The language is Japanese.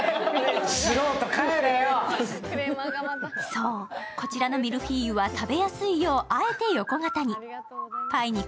そう、こちらのミルフィーユは食べやすいよう、あえて横型に。